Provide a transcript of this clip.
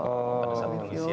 patasan dari usia